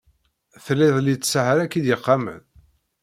Tlid littseɛ ara k-id-iqamen?